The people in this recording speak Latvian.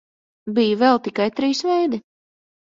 Bija vēl tikai trīs veidi.